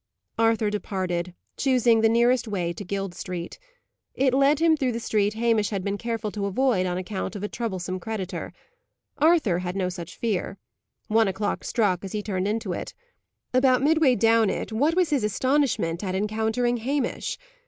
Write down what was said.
Arthur departed; choosing the nearest way to Guild Street. It led him through the street Hamish had been careful to avoid on account of a troublesome creditor. Arthur had no such fear. One o'clock struck as he turned into it. About midway down it, what was his astonishment at encountering Hamish!